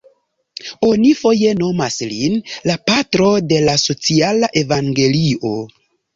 Oni foje nomas lin "la Patro de la Sociala Evangelio".